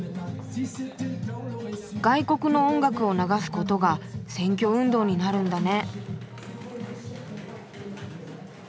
外国の音楽を流すことが選挙運動になるんだね。